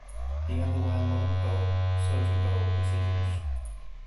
He underwent multiple surgical procedures.